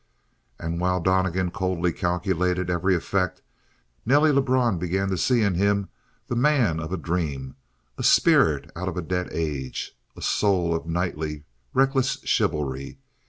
And while Donnegan coldly calculated every effect, Nelly Lebrun began to see in him the man of a dream, a spirit out of a dead age, a soul of knightly, reckless chivalry.